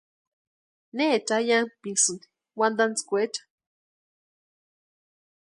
Necha ayankpisïni wantantskwaecha.